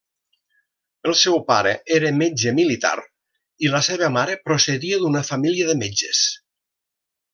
El seu pare era metge militar i la seva mare procedia d'una família de metges.